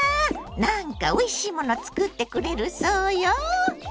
なんかおいしいもの作ってくれるそうよ！